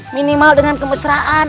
minimal dengan kebesaran